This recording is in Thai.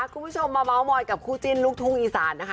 คุณผู้ชมมาเมาส์มอยกับคู่จิ้นลูกทุ่งอีสานนะคะ